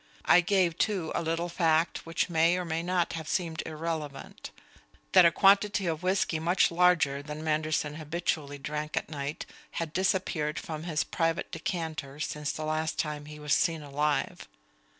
I gave, too, a little fact which may or may not have seemed irrelevant: that a quantity of whisky much larger than Manderson habitually drank at night had disappeared from his private decanter since the last time he was seen alive.